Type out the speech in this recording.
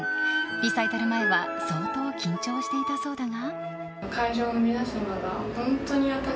リサイタル前は相当緊張していたそうだが。